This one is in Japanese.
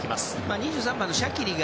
２３番のシャキリが